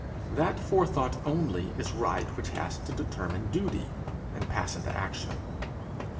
That forethought only is right which has to determine duty, and pass into action.